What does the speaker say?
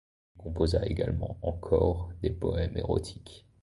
Il composa également encore des poèmes érotiques.